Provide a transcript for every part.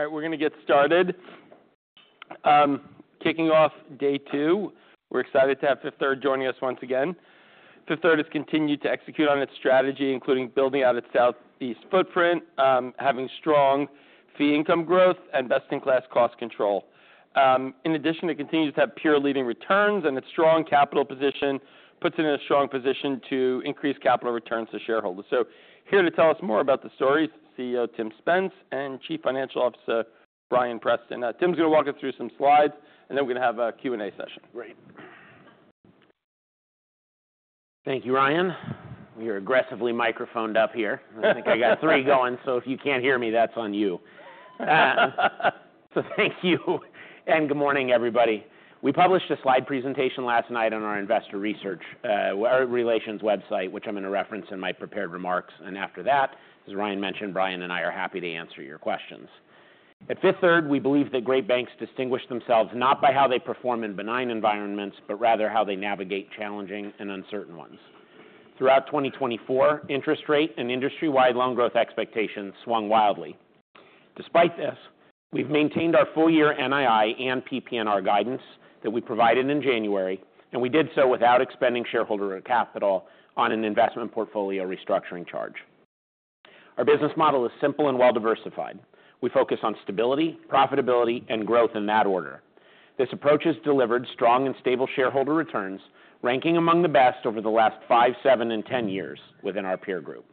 All right, we're gonna get started. Kicking off day two, we're excited to have Fifth Third joining us once again. Fifth Third has continued to execute on its strategy, including building out its Southeast footprint, having strong fee income growth, and best-in-class cost control. In addition, it continues to have peer-leading returns, and its strong capital position puts it in a strong position to increase capital returns to shareholders. So here to tell us more about the story is CEO Tim Spence and Chief Financial Officer Bryan Preston. Tim's gonna walk us through some slides, and then we're gonna have a Q&A session. Great. Thank you, Ryan. We are aggressively microphoned up here. I think I got three going, so if you can't hear me, that's on you. So thank you, and good morning, everybody. We published a slide presentation last night on our investor relations website, which I'm gonna reference in my prepared remarks. And after that, as Ryan mentioned, Bryan and I are happy to answer your questions. At Fifth Third, we believe that great banks distinguish themselves not by how they perform in benign environments, but rather how they navigate challenging and uncertain ones. Throughout 2024, interest rate and industry-wide loan growth expectations swung wildly. Despite this, we've maintained our full-year NII and PPNR guidance that we provided in January, and we did so without expending shareholder capital on an investment portfolio restructuring charge. Our business model is simple and well-diversified. We focus on stability, profitability, and growth in that order. This approach has delivered strong and stable shareholder returns, ranking among the best over the last five, seven, and ten years within our peer group.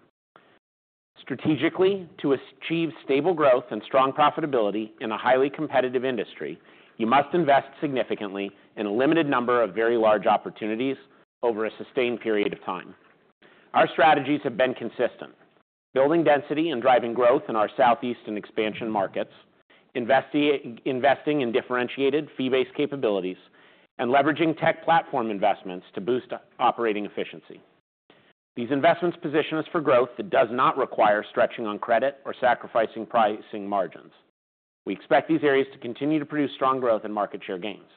Strategically, to achieve stable growth and strong profitability in a highly competitive industry, you must invest significantly in a limited number of very large opportunities over a sustained period of time. Our strategies have been consistent: building density and driving growth in our Southeast and expansion markets, investing in differentiated fee-based capabilities, and leveraging tech platform investments to boost operating efficiency. These investments position us for growth that does not require stretching on credit or sacrificing pricing margins. We expect these areas to continue to produce strong growth and market share gains.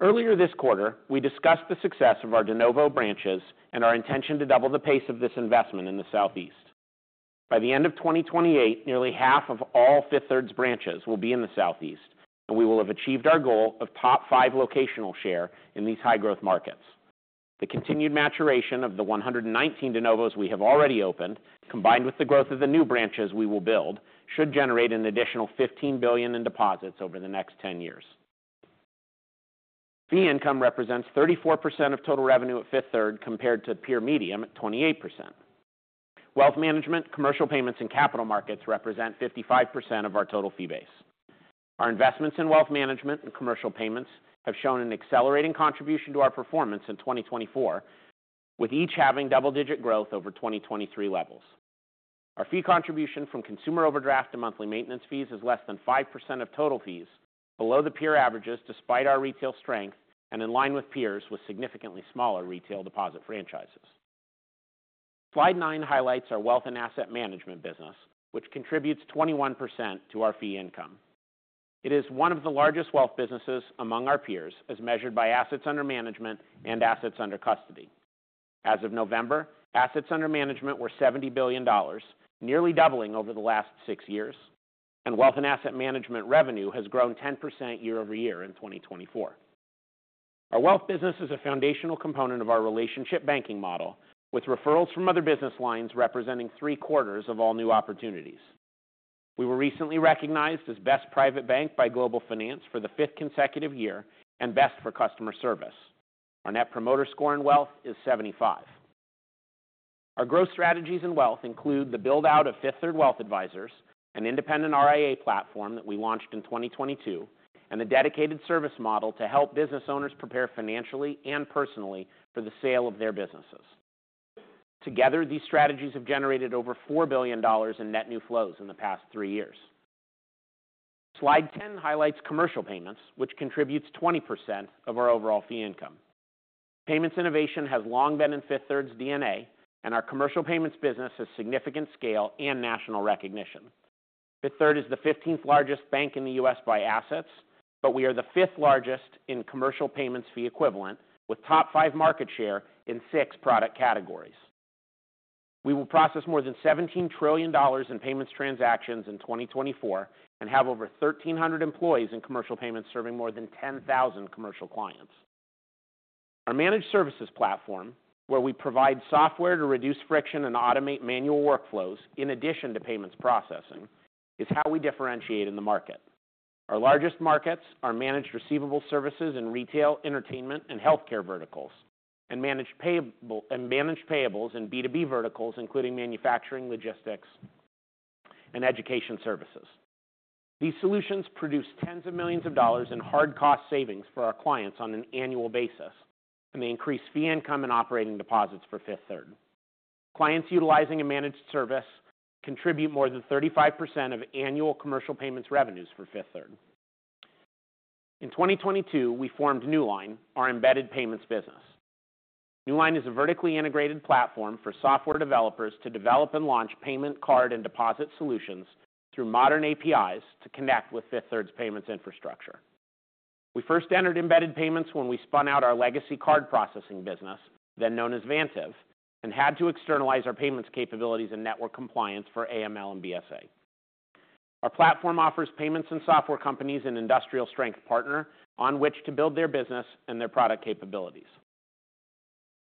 Earlier this quarter, we discussed the success of our de novo branches and our intention to double the pace of this investment in the Southeast. By the end of 2028, nearly half of all Fifth Third's branches will be in the Southeast, and we will have achieved our goal of top five locational share in these high-growth markets. The continued maturation of the 119 de novos we have already opened, combined with the growth of the new branches we will build, should generate an additional $15 billion in deposits over the next 10 years. Fee income represents 34% of total revenue at Fifth Third compared to peer median at 28%. Wealth management, commercial payments, and capital markets represent 55% of our total fee base. Our investments in wealth management and commercial payments have shown an accelerating contribution to our performance in 2024, with each having double-digit growth over 2023 levels. Our fee contribution from consumer overdraft to monthly maintenance fees is less than 5% of total fees, below the peer averages despite our retail strength and in line with peers with significantly smaller retail deposit franchises. Slide nine highlights our wealth and asset management business, which contributes 21% to our fee income. It is one of the largest wealth businesses among our peers, as measured by assets under management and assets under custody. As of November, assets under management were $70 billion, nearly doubling over the last six years, and wealth and asset management revenue has grown 10% year-over-year in 2024. Our wealth business is a foundational component of our relationship banking model, with referrals from other business lines representing three-quarters of all new opportunities. We were recently recognized as Best Private Bank by Global Finance for the fifth consecutive year and Best for Customer Service. Our Net Promoter Score in wealth is 75. Our growth strategies in wealth include the build-out of Fifth Third Wealth Advisors, an independent RIA platform that we launched in 2022, and a dedicated service model to help business owners prepare financially and personally for the sale of their businesses. Together, these strategies have generated over $4 billion in net new flows in the past three years. Slide ten highlights commercial payments, which contributes 20% of our overall fee income. Payments innovation has long been in Fifth Third's DNA, and our commercial payments business has significant scale and national recognition. Fifth Third is the 15th largest bank in the U.S. by assets, but we are the fifth largest in commercial payments fee equivalent, with top five market share in six product categories. We will process more than $17 trillion in payments transactions in 2024 and have over 1,300 employees in commercial payments serving more than 10,000 commercial clients. Our managed services platform, where we provide software to reduce friction and automate manual workflows in addition to payments processing, is how we differentiate in the market. Our largest markets are managed receivable services in retail, entertainment, and healthcare verticals, and managed payables in B2B verticals, including manufacturing, logistics, and education services. These solutions produce tens of millions of dollars in hard cost savings for our clients on an annual basis, and they increase fee income and operating deposits for Fifth Third. Clients utilizing a managed service contribute more than 35% of annual commercial payments revenues for Fifth Third. In 2022, we formed Newline, our embedded payments business. Newline is a vertically integrated platform for software developers to develop and launch payment, card, and deposit solutions through modern APIs to connect with Fifth Third's payments infrastructure. We first entered embedded payments when we spun out our legacy card processing business, then known as Vantiv, and had to externalize our payments capabilities and network compliance for AML and BSA. Our platform offers payments and software companies an industrial strength partner on which to build their business and their product capabilities.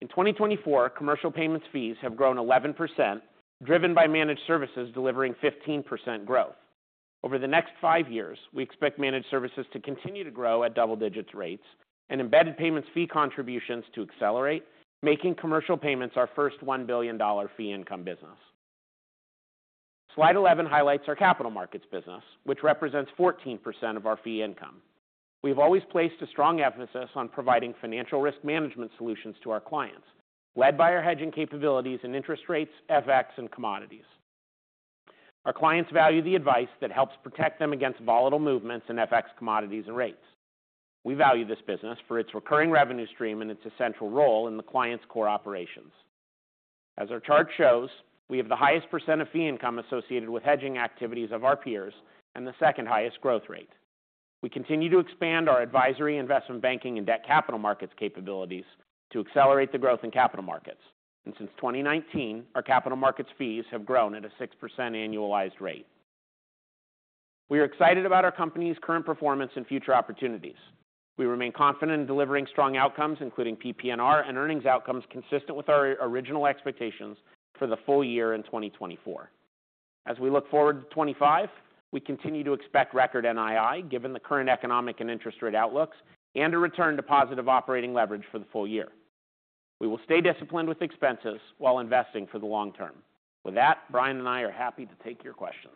In 2024, commercial payments fees have grown 11%, driven by managed services delivering 15% growth. Over the next five years, we expect managed services to continue to grow at double-digit rates and embedded payments fee contributions to accelerate, making commercial payments our first $1 billion fee income business. Slide eleven highlights our capital markets business, which represents 14% of our fee income. We've always placed a strong emphasis on providing financial risk management solutions to our clients, led by our hedging capabilities in interest rates, FX, and commodities. Our clients value the advice that helps protect them against volatile movements in FX, commodities, and rates. We value this business for its recurring revenue stream and its essential role in the client's core operations. As our chart shows, we have the highest % of fee income associated with hedging activities of our peers and the second highest growth rate. We continue to expand our advisory, investment banking, and debt capital markets capabilities to accelerate the growth in capital markets, and since 2019, our capital markets fees have grown at a 6% annualized rate. We are excited about our company's current performance and future opportunities. We remain confident in delivering strong outcomes, including PPNR and earnings outcomes consistent with our original expectations for the full year in 2024. As we look forward to 2025, we continue to expect record NII, given the current economic and interest rate outlooks, and a return to positive operating leverage for the full year. We will stay disciplined with expenses while investing for the long term. With that, Bryan and I are happy to take your questions.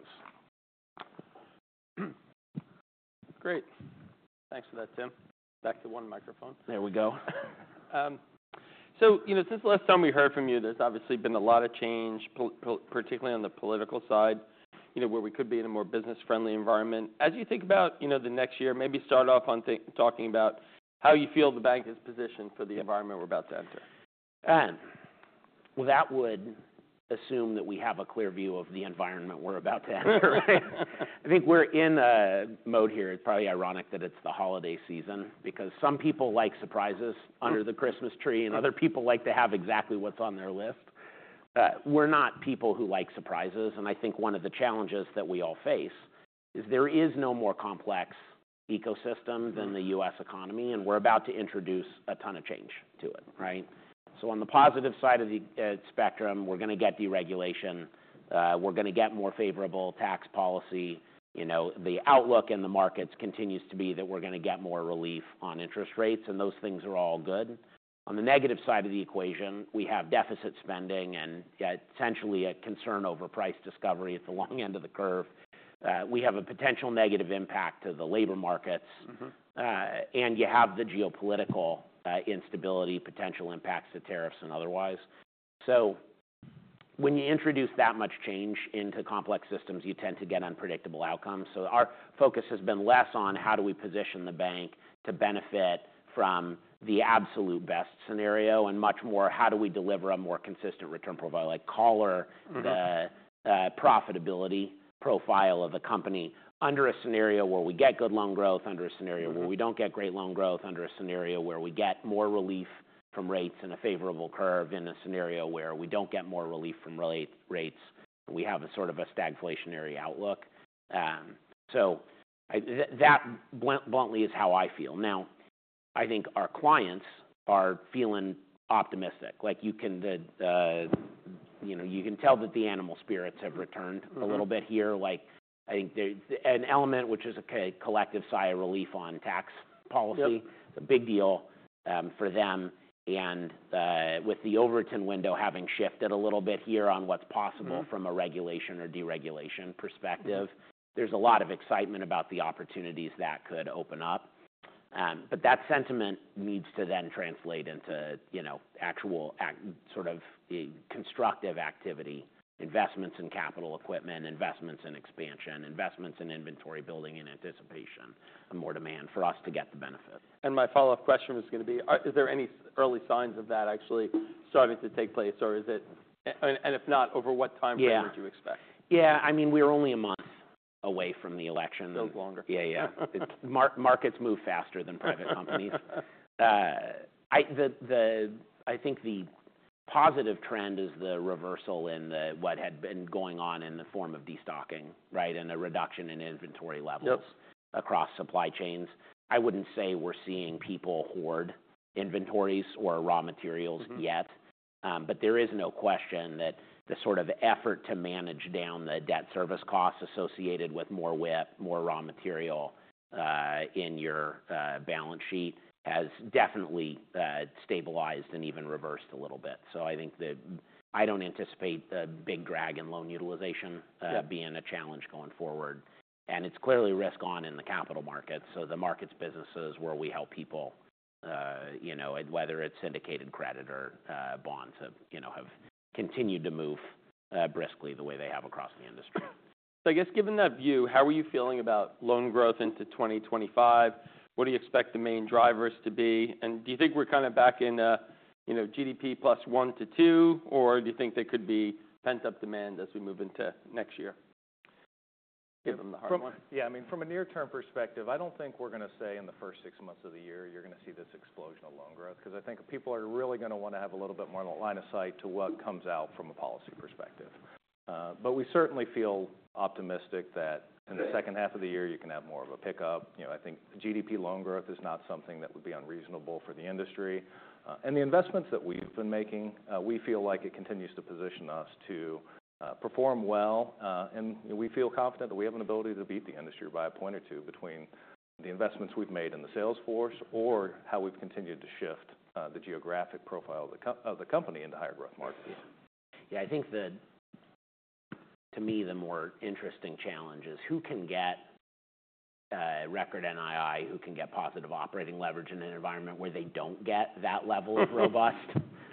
Great. Thanks for that, Tim. Back to one microphone. There we go. So, you know, since the last time we heard from you, there's obviously been a lot of change, particularly on the political side, you know, where we could be in a more business-friendly environment. As you think about, you know, the next year, maybe start off talking about how you feel the bank is positioned for the environment we're about to enter. Well, that would assume that we have a clear view of the environment we're about to enter, right? I think we're in a mode here, it's probably ironic that it's the holiday season because some people like surprises under the Christmas tree, and other people like to have exactly what's on their list. We're not people who like surprises, and I think one of the challenges that we all face is there is no more complex ecosystem than the U.S. economy, and we're about to introduce a ton of change to it, right? So on the positive side of the spectrum, we're gonna get deregulation. We're gonna get more favorable tax policy. You know, the outlook in the markets continues to be that we're gonna get more relief on interest rates, and those things are all good. On the negative side of the equation, we have deficit spending and, essentially a concern over price discovery at the long end of the curve. We have a potential negative impact to the labor markets. Mm-hmm. You have the geopolitical instability, potential impacts to tariffs and otherwise. So when you introduce that much change into complex systems, you tend to get unpredictable outcomes. So our focus has been less on how do we position the bank to benefit from the absolute best scenario and much more how do we deliver a more consistent return profile, like caller. Mm-hmm. The profitability profile of a company under a scenario where we get good loan growth, under a scenario where we don't get great loan growth, under a scenario where we get more relief from rates and a favorable curve, in a scenario where we don't get more relief from rates, we have a sort of a stagflationary outlook. That bluntly is how I feel. Now, I think our clients are feeling optimistic. Like, you know, you can tell that the animal spirits have returned. Mm-hmm. A little bit here. Like, I think there's an element which is a collective sigh of relief on tax policy. Yeah. It's a big deal for them, and with the Overton window having shifted a little bit here on what's possible. Mm-hmm. From a regulation or deregulation perspective, there's a lot of excitement about the opportunities that could open up. But that sentiment needs to then translate into, you know, actual act sort of, constructive activity: investments in capital equipment, investments in expansion, investments in inventory building in anticipation of more demand for us to get the benefit. My follow-up question was gonna be, are there any early signs of that actually starting to take place, or is it, and if not, over what time frame would you expect? Yeah. Yeah. I mean, we're only a month away from the election. No longer. Yeah, yeah. Markets move faster than private companies. I think the positive trend is the reversal in what had been going on in the form of destocking, right, and a reduction in inventory levels. Yep. Across supply chains. I wouldn't say we're seeing people hoard inventories or raw materials yet. Mm-hmm. but there is no question that the sort of effort to manage down the debt service costs associated with more WIP, more raw material, in your balance sheet has definitely stabilized and even reversed a little bit. So I think I don't anticipate the big drag in loan utilization. Yep. Being a challenge going forward. And it's clearly risk-on in the capital markets. So the markets businesses where we help people, you know, whether it's syndicated credit or bonds, have, you know, continued to move briskly the way they have across the industry. So I guess given that view, how are you feeling about loan growth into 2025? What do you expect the main drivers to be? And do you think we're kinda back in, you know, GDP plus one to two, or do you think there could be pent-up demand as we move into next year? Give them the hard one. Yeah, I mean, from a near-term perspective, I don't think we're gonna say in the first six months of the year you're gonna see this explosion of loan growth 'cause I think people are really gonna wanna have a little bit more line of sight to what comes out from a policy perspective, but we certainly feel optimistic that in the second half of the year you can have more of a pickup. You know, I think GDP loan growth is not something that would be unreasonable for the industry, and the investments that we've been making, we feel like it continues to position us to perform well. And, you know, we feel confident that we have an ability to beat the industry by a point or two between the investments we've made in the sales force or how we've continued to shift the geographic profile of the company into higher growth markets. Yeah. Yeah, I think, to me, the more interesting challenge is who can get record NII, who can get positive operating leverage in an environment where they don't get that level of robust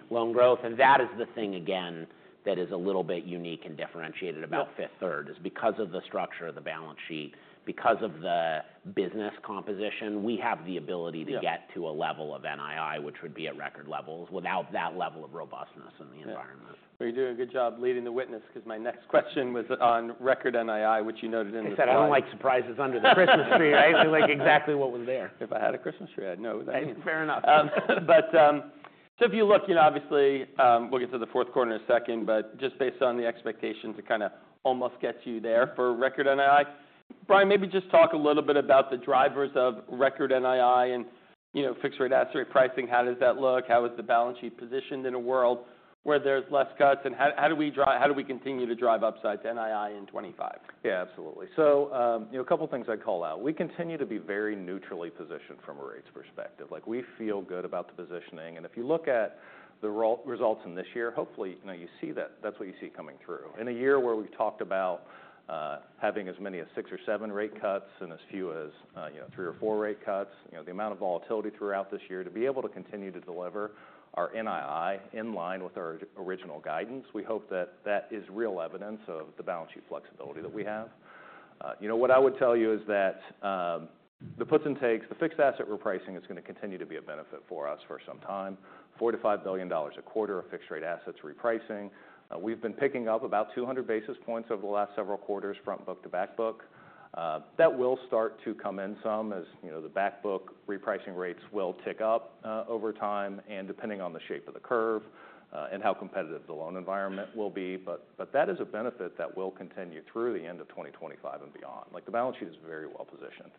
loan growth. And that is the thing, again, that is a little bit unique and differentiated about Fifth Third is because of the structure of the balance sheet, because of the business composition. We have the ability to get to a level of NII which would be at record levels without that level of robustness in the environment. Are you doing a good job leading the witness 'cause my next question was on record NII, which you noted in the? I said I don't like surprises under the Christmas tree, right? I like exactly what was there. If I had a Christmas tree, I'd know that. Fair enough. But, so if you look, you know, obviously, we'll get to the Q4 in a second, but just based on the expectation to kinda almost get you there for record NII, Bryan, maybe just talk a little bit about the drivers of record NII and, you know, fixed rate asset repricing. How does that look? How is the balance sheet positioned in a world where there's less cuts? And how do we continue to drive upside to NII in 2025? Yeah, absolutely. So, you know, a couple things I'd call out. We continue to be very neutrally positioned from a rates perspective. Like, we feel good about the positioning. And if you look at the roll results in this year, hopefully, you know, you see that that's what you see coming through. In a year where we've talked about, having as many as six or seven rate cuts and as few as, you know, three or four rate cuts, you know, the amount of volatility throughout this year to be able to continue to deliver our NII in line with our original guidance, we hope that that is real evidence of the balance sheet flexibility that we have. You know, what I would tell you is that, the puts and takes, the fixed asset repricing is gonna continue to be a benefit for us for some time: $4-$5 billion a quarter of fixed rate assets repricing. We've been picking up about 200 basis points over the last several quarters front book to back book. That will start to come in some as, you know, the back book repricing rates will tick up, over time and depending on the shape of the curve, and how competitive the loan environment will be. But that is a benefit that will continue through the end of 2025 and beyond. Like, the balance sheet is very well positioned.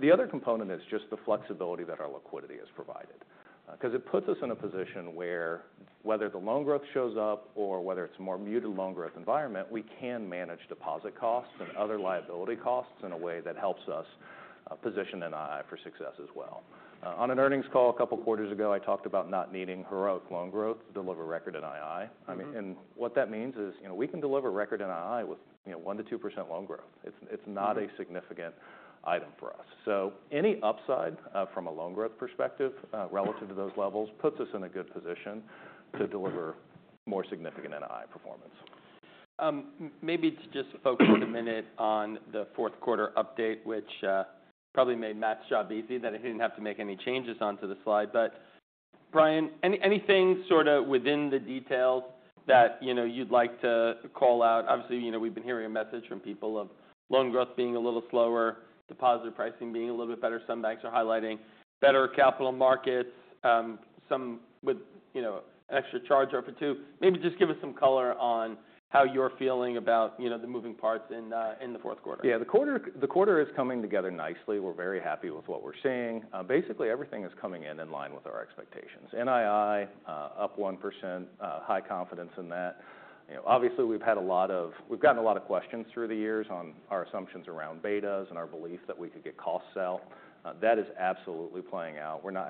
The other component is just the flexibility that our liquidity has provided, 'cause it puts us in a position where whether the loan growth shows up or whether it's a more muted loan growth environment, we can manage deposit costs and other liability costs in a way that helps us position NII for success as well. On an earnings call a couple quarters ago, I talked about not needing heroic loan growth to deliver record NII. Mm-hmm. I mean, and what that means is, you know, we can deliver record NII with, you know, 1%-2% loan growth. It's not a significant item for us. So any upside, from a loan growth perspective, relative to those levels puts us in a good position to deliver more significant NII performance. Maybe to just focus a minute on the Q4 update, which probably made Matt's job easy that I didn't have to make any changes onto the slide. But, Bryan, anything sorta within the details that, you know, you'd like to call out? Obviously, you know, we've been hearing a message from people of loan growth being a little slower, deposit pricing being a little bit better. Some banks are highlighting better capital markets, some with, you know, extra charge-offs too. Maybe just give us some color on how you're feeling about, you know, the moving parts in the Q4. Yeah, the quarter is coming together nicely. We're very happy with what we're seeing. Basically, everything is coming in line with our expectations. NII up 1%, high confidence in that. You know, obviously, we've gotten a lot of questions through the years on our assumptions around betas and our belief that we could get costs low. That is absolutely playing out. We're not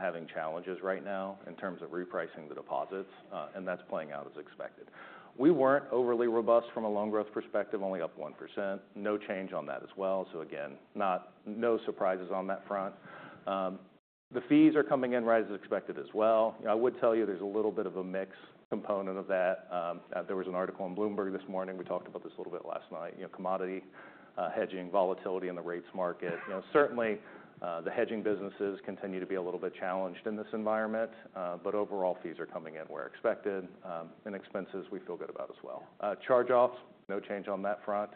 having challenges right now in terms of repricing the deposits, and that's playing out as expected. We weren't overly robust from a loan growth perspective, only up 1%. No change on that as well. So again, no surprises on that front. The fees are coming in right as expected as well. You know, I would tell you there's a little bit of a mix component of that. There was an article on Bloomberg this morning. We talked about this a little bit last night, you know, commodity, hedging, volatility, and the rates market. You know, certainly, the hedging businesses continue to be a little bit challenged in this environment. But overall, fees are coming in where expected. And expenses, we feel good about as well. Charge-offs, no change on that front.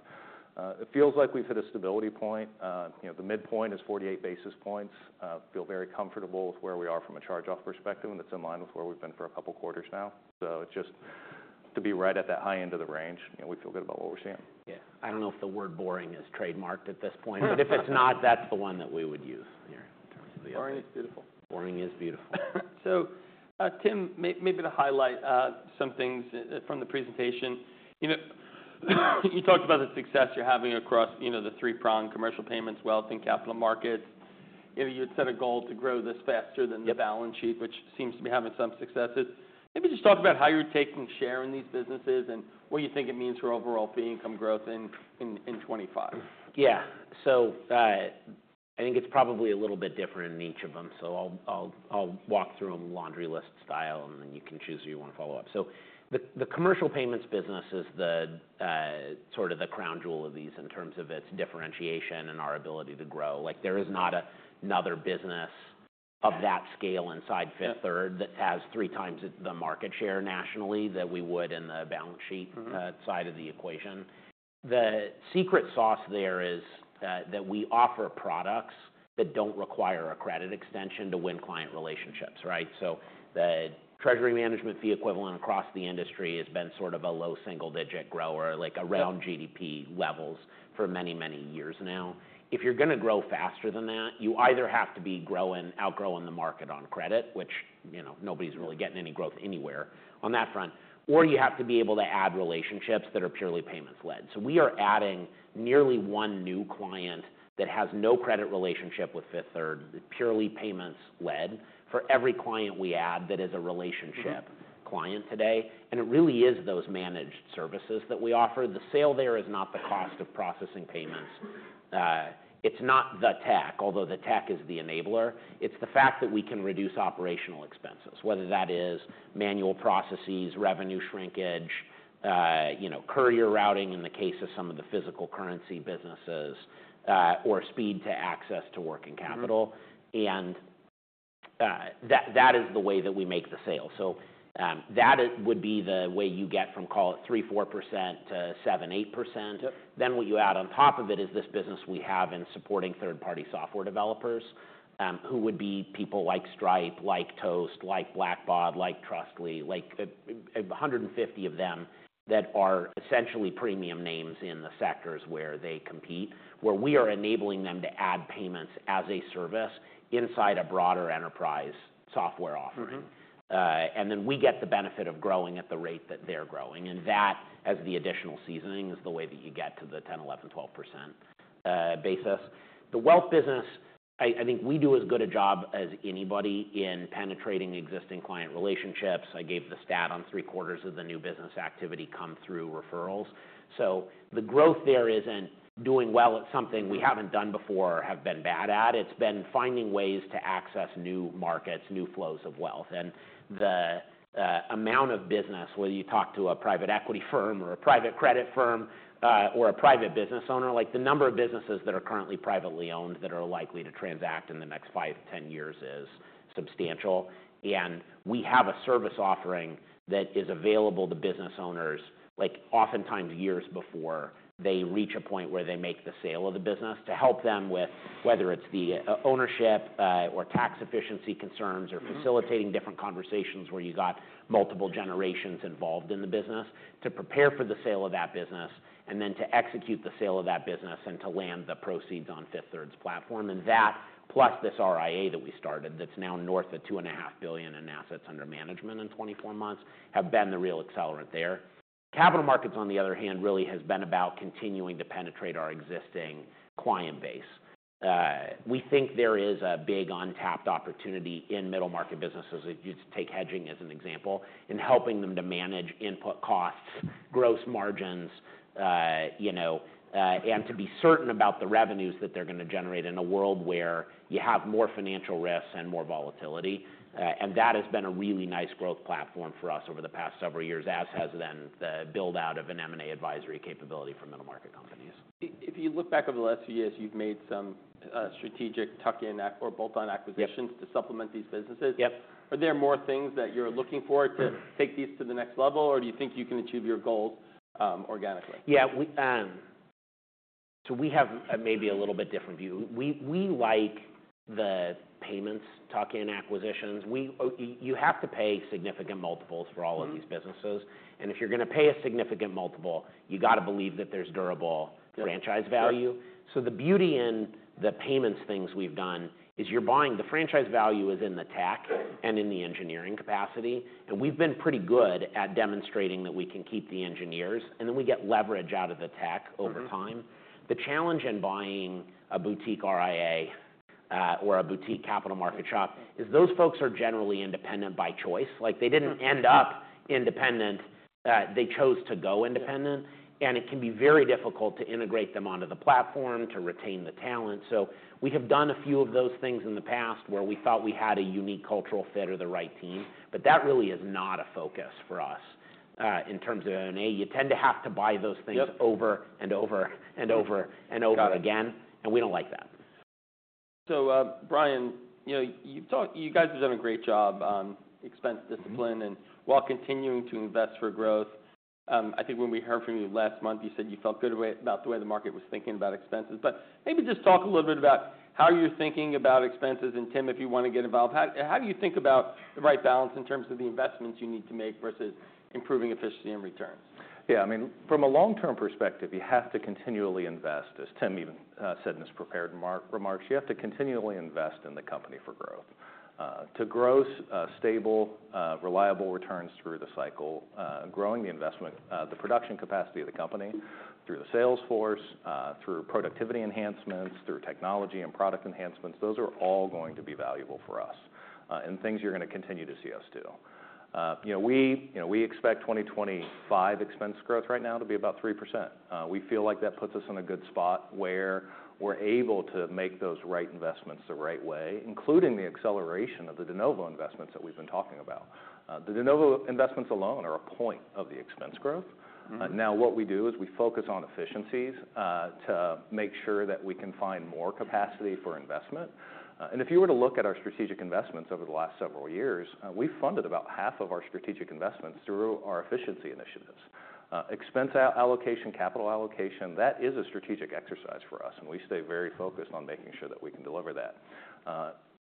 It feels like we've hit a stability point. You know, the midpoint is 48 basis points. Feel very comfortable with where we are from a charge-off perspective, and it's in line with where we've been for a couple quarters now. So it's just to be right at that high end of the range, you know, we feel good about what we're seeing. Yeah. I don't know if the word boring is trademarked at this point, but if it's not, that's the one that we would use here in terms of the. Boring is beautiful. Boring is beautiful. So, Tim, maybe to highlight some things from the presentation, you know, you talked about the success you're having across, you know, the three-prong commercial payments, wealth, and capital markets. You know, you had set a goal to grow this faster than the. Yep. Balance sheet, which seems to be having some successes. Maybe just talk about how you're taking share in these businesses and what you think it means for overall fee income growth in 2025. Yeah. So, I think it's probably a little bit different in each of them. So I'll walk through them laundry list style, and then you can choose who you wanna follow up. So the commercial payments business is sorta the crown jewel of these in terms of its differentiation and our ability to grow. Like, there is not another business of that scale inside Fifth Third that has three times the market share nationally that we would in the balance sheet. Mm-hmm. Side of the equation. The secret sauce there is that we offer products that don't require a credit extension to win client relationships, right? So the treasury management fee equivalent across the industry has been sorta a low single-digit grower, like around. Mm-hmm. GDP levels for many, many years now. If you're gonna grow faster than that, you either have to be growing, outgrowing the market on credit, which, you know, nobody's really getting any growth anywhere on that front, or you have to be able to add relationships that are purely payments-led. So we are adding nearly one new client that has no credit relationship with Fifth Third, purely payments-led for every client we add that is a relationship client today. And it really is those managed services that we offer. The sale there is not the cost of processing payments. It's not the tech, although the tech is the enabler. It's the fact that we can reduce operational expenses, whether that is manual processes, revenue shrinkage, you know, courier routing in the case of some of the physical currency businesses, or speed to access working capital. Mm-hmm. That is the way that we make the sale. That would be the way you get from, call it, 3%-4% to 7%-8%. Yep. Then what you add on top of it is this business we have in supporting third-party software developers, who would be people like Stripe, like Toast, like Blackbaud, like Trustly, like 150 of them that are essentially premium names in the sectors where they compete, where we are enabling them to add payments as a service inside a broader enterprise software offering. Mm-hmm. And then we get the benefit of growing at the rate that they're growing. And that, as the additional seasoning, is the way that you get to the 10%, 11%, 12% basis. The wealth business, I, I think we do as good a job as anybody in penetrating existing client relationships. I gave the stat on three quarters of the new business activity come through referrals. So the growth there isn't doing well at something we haven't done before or have been bad at. It's been finding ways to access new markets, new flows of wealth. And the, amount of business, whether you talk to a private equity firm or a private credit firm, or a private business owner, like, the number of businesses that are currently privately owned that are likely to transact in the next 5 to 10 years is substantial. We have a service offering that is available to business owners, like, oftentimes years before they reach a point where they make the sale of the business to help them with whether it's the ownership or tax efficiency concerns or facilitating different conversations where you got multiple generations involved in the business to prepare for the sale of that business and then to execute the sale of that business and to land the proceeds on Fifth Third's platform. That, plus this RIA that we started that's now north of $2.5 billion in assets under management in 24 months, have been the real accelerant there. Capital markets, on the other hand, really has been about continuing to penetrate our existing client base. We think there is a big untapped opportunity in middle market businesses, if you just take hedging as an example, in helping them to manage input costs, gross margins, you know, and to be certain about the revenues that they're gonna generate in a world where you have more financial risks and more volatility, and that has been a really nice growth platform for us over the past several years, as has then the build-out of an M&A advisory capability for middle market companies. If you look back over the last few years, you've made some strategic tuck-in or bolt-on acquisitions. Yep. To supplement these businesses. Yep. Are there more things that you're looking for to take these to the next level, or do you think you can achieve your goals, organically? Yeah, so we have maybe a little bit different view. We like the payments, tuck-in acquisitions. You have to pay significant multiples for all of these businesses, and if you're gonna pay a significant multiple, you gotta believe that there's durable franchise value. Yep. So the beauty in the payments things we've done is you're buying the franchise value is in the tech and in the engineering capacity. And we've been pretty good at demonstrating that we can keep the engineers, and then we get leverage out of the tech over time. Mm-hmm. The challenge in buying a boutique RIA, or a boutique capital market shop, is those folks are generally independent by choice. Like, they didn't end up independent. They chose to go independent. And it can be very difficult to integrate them onto the platform to retain the talent. So we have done a few of those things in the past where we thought we had a unique cultural fit or the right team, but that really is not a focus for us, in terms of M&A. You tend to have to buy those things. Yep. Over and over and over and over again. Got it. We don't like that. So, Bryan, you know, you've talked you guys have done a great job on expense discipline. And while continuing to invest for growth, I think when we heard from you last month, you said you felt good about the way the market was thinking about expenses. But maybe just talk a little bit about how you're thinking about expenses. And, Tim, if you wanna get involved, how do you think about the right balance in terms of the investments you need to make versus improving efficiency and returns? Yeah, I mean, from a long-term perspective, you have to continually invest, as Tim even said in his prepared remarks, you have to continually invest in the company for growth, to grow stable, reliable returns through the cycle, growing the investment, the production capacity of the company through the sales force, through productivity enhancements, through technology and product enhancements. Those are all going to be valuable for us, and things you're gonna continue to see us do. You know, we, you know, we expect 2025 expense growth right now to be about 3%. We feel like that puts us in a good spot where we're able to make those right investments the right way, including the acceleration of the de novo investments that we've been talking about. The de novo investments alone are a point of the expense growth. Mm-hmm. Now what we do is we focus on efficiencies to make sure that we can find more capacity for investment. And if you were to look at our strategic investments over the last several years, we funded about half of our strategic investments through our efficiency initiatives. Expense allocation, capital allocation, that is a strategic exercise for us, and we stay very focused on making sure that we can deliver that.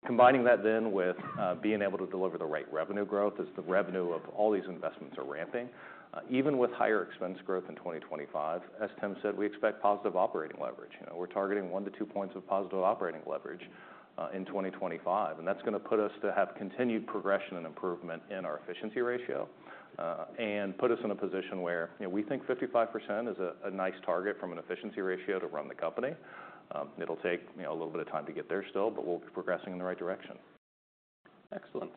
Combining that then with being able to deliver the right revenue growth as the revenue of all these investments are ramping, even with higher expense growth in 2025, as Tim said, we expect positive operating leverage. You know, we're targeting one to two points of positive operating leverage in 2025. That's gonna put us to have continued progression and improvement in our efficiency ratio, and put us in a position where, you know, we think 55% is a nice target from an efficiency ratio to run the company. It'll take, you know, a little bit of time to get there still, but we'll be progressing in the right direction. Excellent.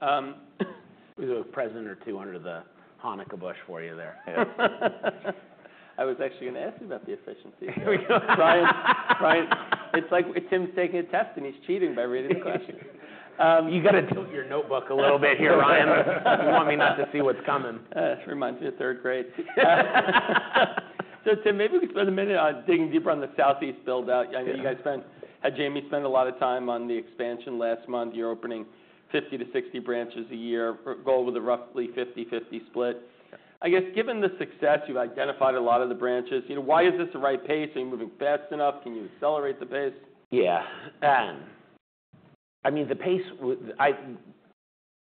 There's a present or two under the Hanukkah bush for you there. Yeah. I was actually gonna ask you about the efficiency. Here we go. Bryan, Bryan, it's like Tim's taking a test, and he's cheating by reading the questions. You gotta tilt your notebook a little bit here, Ryan. You want me not to see what's coming. It reminds me of third grade. So, Tim, maybe we could spend a minute on digging deeper on the Southeast build-out. Yeah. I know you guys had Jamie spend a lot of time on the expansion last month. You're opening 50-60 branches a year, goal with a roughly 50/50 split. Yep. I guess given the success, you've identified a lot of the branches. You know, why is this the right pace? Are you moving fast enough? Can you accelerate the pace? Yeah. I mean, the pace.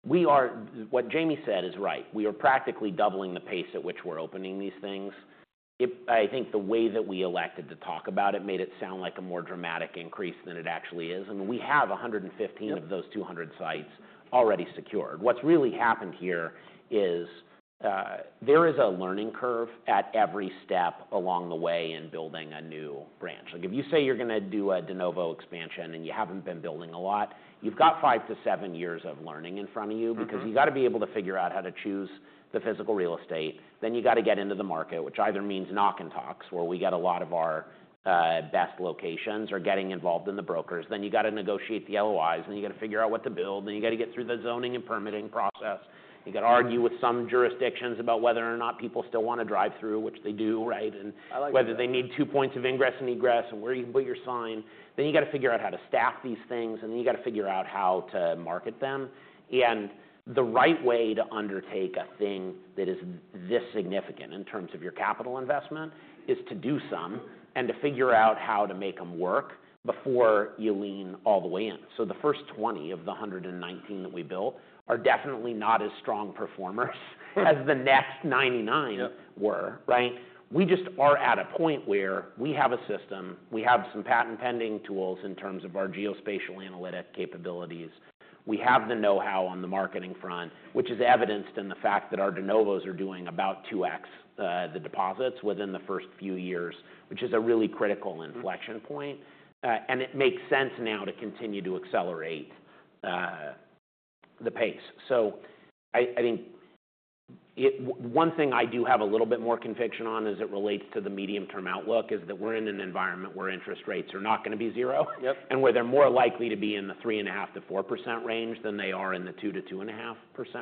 We are what Jamie said is right. We are practically doubling the pace at which we're opening these things. If I think the way that we elected to talk about it made it sound like a more dramatic increase than it actually is. I mean, we have 115 of those 200 sites already secured. What's really happened here is, there is a learning curve at every step along the way in building a new branch. Like, if you say you're gonna do a de novo expansion and you haven't been building a lot, you've got 5-7 years of learning in front of you. Mm-hmm. Because you gotta be able to figure out how to choose the physical real estate. Then you gotta get into the market, which either means knock-and-talks where we get a lot of our best locations or getting involved in the brokers. Then you gotta negotiate the LOIs, and then you gotta figure out what to build, and you gotta get through the zoning and permitting process. You gotta argue with some jurisdictions about whether or not people still wanna drive through, which they do, right? And. I like that. Whether they need two points of ingress and egress and where you can put your sign. Then you gotta figure out how to staff these things, and then you gotta figure out how to market them. And the right way to undertake a thing that is this significant in terms of your capital investment is to do some and to figure out how to make them work before you lean all the way in. So the first 20 of the 119 that we built are definitely not as strong performers as the next 99. Yep. We're, right? We just are at a point where we have a system. We have some patent-pending tools in terms of our geospatial analytic capabilities. We have the know-how on the marketing front, which is evidenced in the fact that our de novos are doing about 2X the deposits within the first few years, which is a really critical inflection point, and it makes sense now to continue to accelerate the pace. So I, I think it's one thing I do have a little bit more conviction on as it relates to the medium-term outlook is that we're in an environment where interest rates are not gonna be 0. Yep. Where they're more likely to be in the 3.5%-4% range than they are in the 2%-2.5%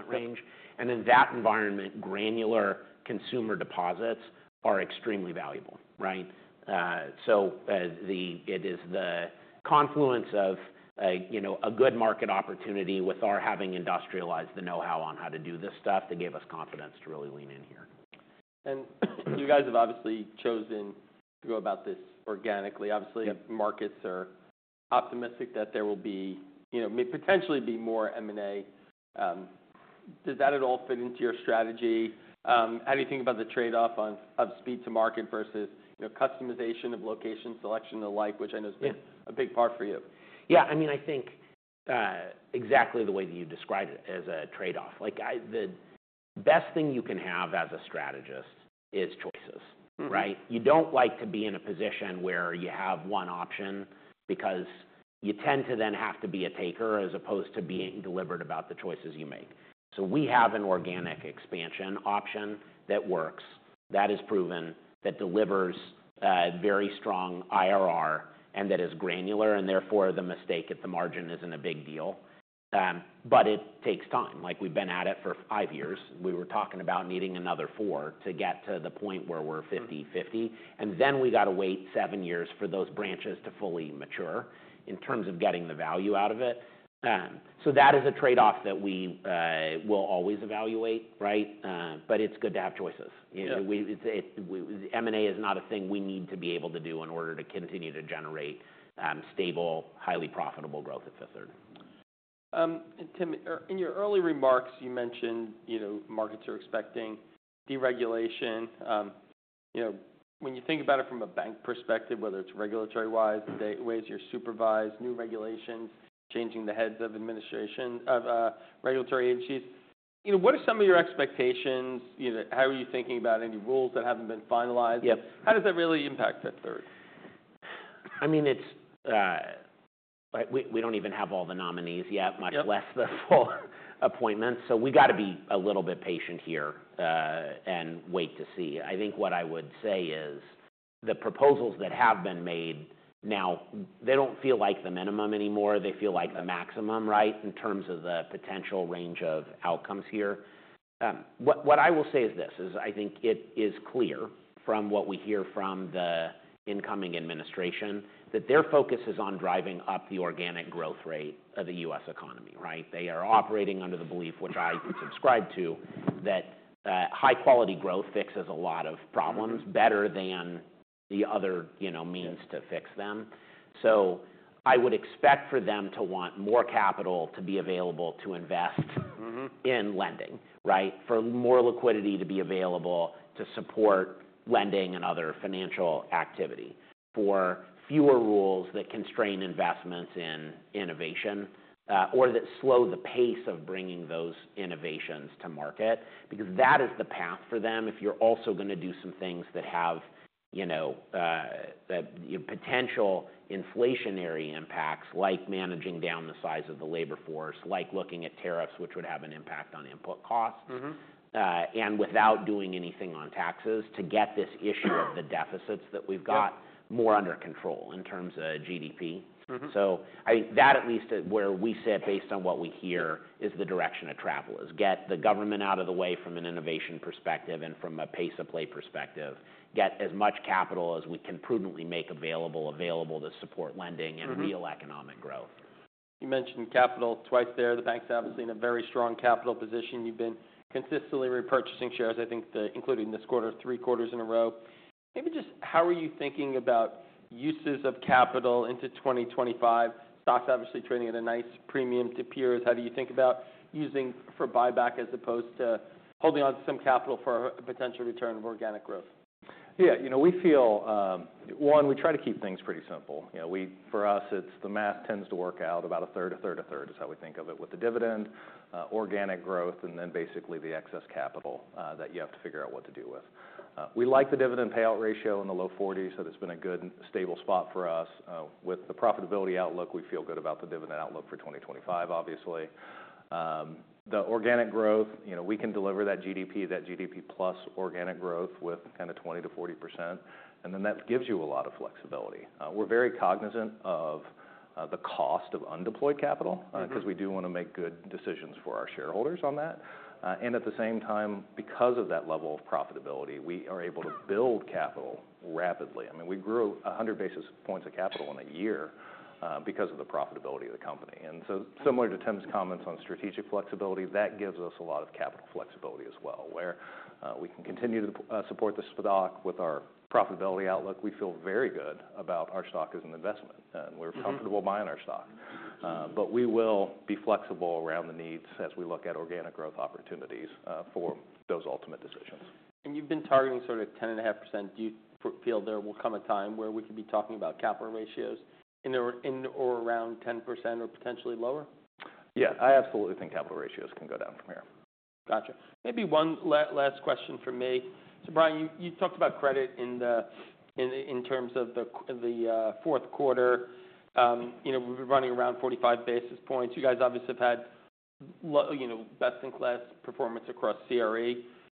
range. Mm-hmm. And in that environment, granular consumer deposits are extremely valuable, right? So, it is the confluence of, you know, a good market opportunity with our having industrialized the know-how on how to do this stuff that gave us confidence to really lean in here. You guys have obviously chosen to go about this organically. Yep. Obviously, markets are optimistic that there will be, you know, may potentially be more M&A. Does that at all fit into your strategy? How do you think about the trade-off of speed to market versus, you know, customization of location selection and the like, which I know has been. Yeah. A big part for you? Yeah, I mean, I think, exactly the way that you described it as a trade-off. Like, the best thing you can have as a strategist is choices, right? Mm-hmm. You don't like to be in a position where you have one option because you tend to then have to be a taker as opposed to being deliberate about the choices you make. So we have an organic expansion option that works, that is proven, that delivers, very strong IRR and that is granular, and therefore the mistake at the margin isn't a big deal. But it takes time. Like, we've been at it for five years. We were talking about needing another four to get to the point where we're 50/50. Mm-hmm. And then we gotta wait seven years for those branches to fully mature in terms of getting the value out of it. So that is a trade-off that we will always evaluate, right? But it's good to have choices. Yep. You know, we, it's M&A is not a thing we need to be able to do in order to continue to generate stable, highly profitable growth at Fifth Third. Tim, in your early remarks, you mentioned, you know, markets are expecting deregulation. You know, when you think about it from a bank perspective, whether it's regulatory-wise, the ways you're supervised, new regulations, changing the heads of administration of regulatory agencies, you know, what are some of your expectations? You know, how are you thinking about any rules that haven't been finalized? Yep. How does that really impact Fifth Third? I mean, we don't even have all the nominees yet. Yep. Much less the full appointments. So we gotta be a little bit patient here, and wait to see. I think what I would say is the proposals that have been made now, they don't feel like the minimum anymore. They feel like the maximum, right, in terms of the potential range of outcomes here. What, what I will say is this: I think it is clear from what we hear from the incoming administration that their focus is on driving up the organic growth rate of the U.S. economy, right? They are operating under the belief, which I subscribe to, that, high-quality growth fixes a lot of problems better than the other, you know, means to fix them. So I would expect for them to want more capital to be available to invest. Mm-hmm. In lending, right, for more liquidity to be available to support lending and other financial activity for fewer rules that constrain investments in innovation, or that slow the pace of bringing those innovations to market because that is the path for them. If you're also gonna do some things that have, you know, you know, potential inflationary impacts like managing down the size of the labor force, like looking at tariffs, which would have an impact on input costs. Mm-hmm. and without doing anything on taxes to get this issue of the deficits that we've got. Yep. More under control in terms of GDP. Mm-hmm. I think that at least is where we sit based on what we hear is the direction of travel is get the government out of the way from an innovation perspective and from a pay-to-play perspective, get as much capital as we can prudently make available to support lending and real economic growth. You mentioned capital twice there. The bank is obviously in a very strong capital position. You've been consistently repurchasing shares, I think, including this quarter, three quarters in a row. Maybe just how are you thinking about uses of capital into 2025? The stock is obviously trading at a nice premium to peers. How do you think about using for buyback as opposed to holding on to some capital for a potential return of organic growth? Yeah, you know, we feel, one, we try to keep things pretty simple. You know, we for us, it's the math tends to work out about a third, a third, a third is how we think of it with the dividend, organic growth, and then basically the excess capital, that you have to figure out what to do with. We like the dividend payout ratio in the low 40s, so that's been a good stable spot for us. With the profitability outlook, we feel good about the dividend outlook for 2025, obviously. The organic growth, you know, we can deliver that GDP, that GDP plus organic growth with kinda 20%-40%, and then that gives you a lot of flexibility. We're very cognizant of the cost of undeployed capital. Mm-hmm. 'Cause we do wanna make good decisions for our shareholders on that and at the same time, because of that level of profitability, we are able to build capital rapidly. I mean, we grew 100 basis points of capital in a year, because of the profitability of the company. So similar to Tim's comments on strategic flexibility, that gives us a lot of capital flexibility as well where we can continue to support the stock with our profitability outlook. We feel very good about our stock as an investment, and we're comfortable buying our stock. Mm-hmm. But we will be flexible around the needs as we look at organic growth opportunities for those ultimate decisions. You've been targeting sort of 10.5%. Do you feel there will come a time where we could be talking about capital ratios in or around 10% or potentially lower? Yeah, I absolutely think capital ratios can go down from here. Gotcha. Maybe one last question from me. So, Bryan, you talked about credit in terms of the Q4. You know, we've been running around 45 basis points. You guys obviously have had, you know, best-in-class performance across CRE.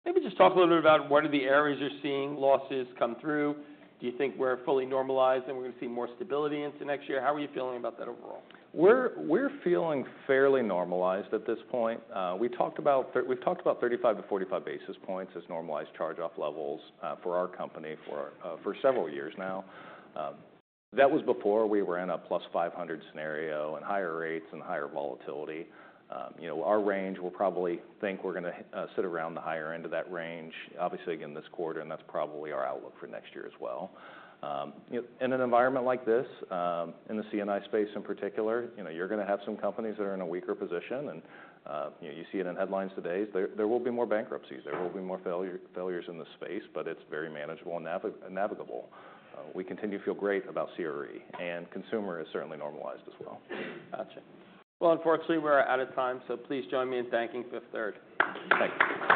Maybe just talk a little bit about what are the areas you're seeing losses come through. Do you think we're fully normalized and we're gonna see more stability into next year? How are you feeling about that overall? We're feeling fairly normalized at this point. We've talked about 35-45 basis points as normalized charge-off levels for our company for several years now. That was before we were in a plus 500 scenario and higher rates and higher volatility. You know, our range, we'll probably think we're gonna sit around the higher end of that range, obviously, in this quarter, and that's probably our outlook for next year as well. You know, in an environment like this, in the C&I space in particular, you know, you're gonna have some companies that are in a weaker position, and you know, you see it in headlines today. There will be more bankruptcies. There will be more failures in the space, but it's very manageable and navigable. We continue to feel great about CRE, and consumer is certainly normalized as well. Gotcha. Well, unfortunately, we're out of time, so please join me in thanking Fifth Third. Thanks.